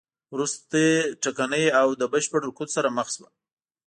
وروسته ټکنۍ او له بشپړ رکود سره مخ شوه.